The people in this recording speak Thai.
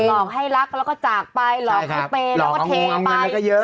หลอกให้รักแล้วก็จากไปหลอกให้เปย์แล้วก็เทไป